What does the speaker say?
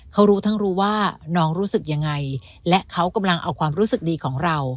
เขารู้ทั้งรู้ว่าน้องรู้สึกยังไงและเขากำลังเอาความรู้สึกดีของเรา